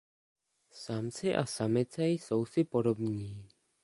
Samci a samice jsou si podobní.